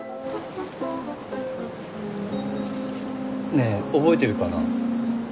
ねえ覚えてるかな？